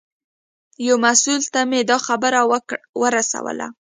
یو مسوول ته مې دا خبره ورسوله.